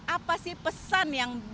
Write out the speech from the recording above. apa sih pesan yang